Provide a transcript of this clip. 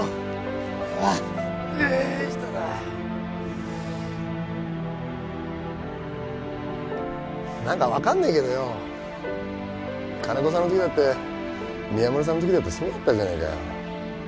お前は何か分かんねえけどよ金子さんのときだって宮村さんのときだってそうだったじゃねえかよ